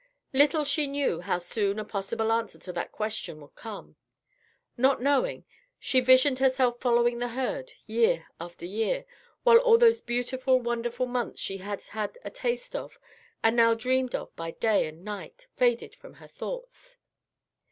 Little she knew how soon a possible answer to that question would come. Not knowing, she visioned herself following the herd year after year, while all those beautiful, wonderful months she had had a taste of, and now dreamed of by day and night, faded from her thoughts.